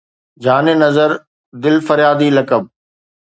جان نظر دل فريادي لقب